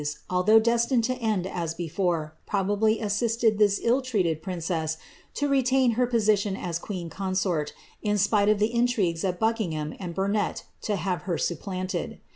although destined to end as before, probably assisted this iil rincess to retain her position as queen consort, in spite of the of Buckingham and Burnet to have her supplanted.